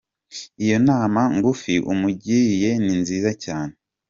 iyo nama ngufi umugiriye ni nziza cyane!.